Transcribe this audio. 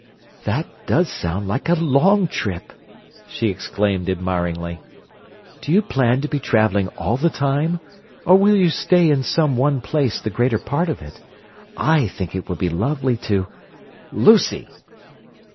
"That does sound like a long trip!" she exclaimed admiringly. "Do you plan to be travelling all the time, or will you stay in some one place the greater part of it? I think it would be lovely to—" "Lucy!"